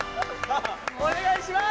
お願いします！